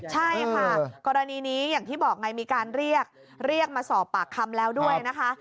ใช่ค่ะกรณีนี้อย่างที่บอกไงมีการเรียกเรียกมาสอบปากคำแล้วด้วยนะคะ